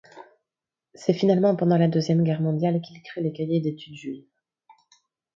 C'est finalement pendant la deuxième Guerre mondiale qu'il crée les Cahiers d'Études Juives.